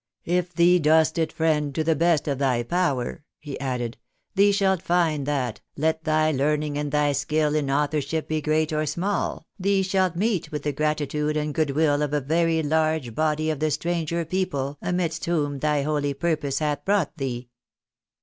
" If thee dost it, friend, to the best of thy power," he added, " thee shalt find that, let thy learning and thy skill in authorship be great or small, thee shalt meet with the gratitude and good will of a very large body of the stranger people amidst whom thy holy purpose hath brought thee."